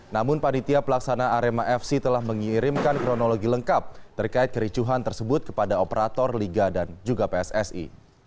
namun panitia pelaksana arema fc telah mengirimkan kronologi lengkap terkait kericuhan tersebut kepada operator liga dan juga pssi